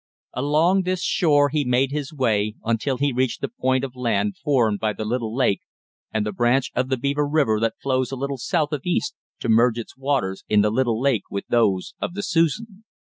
Along this shore he made his way until he reached the point of land formed by the little lake and the branch of the Beaver River that flows a little south of east to merge its waters in the little lake with those of the Susan.